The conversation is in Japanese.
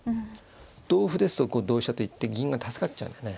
同歩ですと同飛車と行って銀が助かっちゃうんだよね。